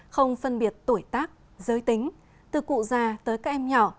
không phân biệt tuổi tác giới tính từ cụ già tới các em nhỏ